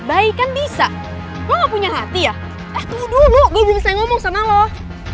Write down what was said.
karena gue tau gue gak salah